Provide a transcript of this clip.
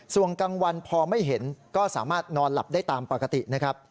ส่วนกลางวันพอไม่เห็นก็สามารถนอนหลับได้ตามปกตินะครับ